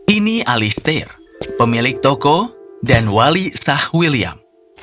ini alistair pemilik toko dan wali sah william